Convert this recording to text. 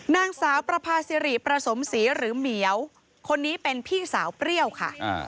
นางสาวประพาสิริประสมศรีหรือเหมียวคนนี้เป็นพี่สาวเปรี้ยวค่ะ